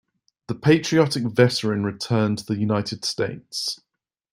The patriotic veteran returned to the United States.